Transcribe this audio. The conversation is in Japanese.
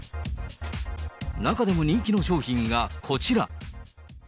中でも人気の商品がこちら。